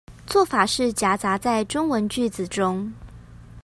做法是夾雜在中文句子中